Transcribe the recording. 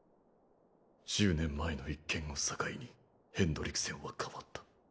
１０年前の一件を境にヘンドリクセンは変わった。